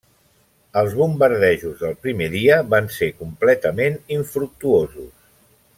Els bombardejos del primer dia van ser completament infructuosos.